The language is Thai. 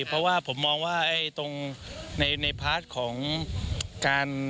เพราะว่าผมมองว่าตรงในพาร์ทของการ